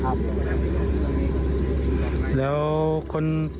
เขายิงหรืออ่าเขาจุดประทัดไล่นกก็ไม่รู้ครับครับ